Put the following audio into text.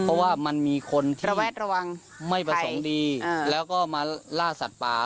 เพราะว่ามันมีคนที่ระแวดระวังไม่ประสงค์ดีแล้วก็มาล่าสัตว์ป่า